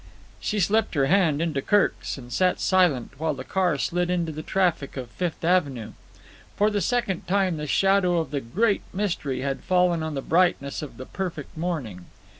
She slipped her hand into Kirk's and sat silent while the car slid into the traffic of Fifth Avenue. For the second time the shadow of the Great Mystery had fallen on the brightness of the perfect morning.